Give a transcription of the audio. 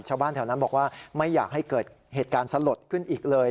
ชาวบ้านแถวนั้นบอกว่าไม่อยากให้เกิดเหตุการณ์สลดขึ้นอีกเลย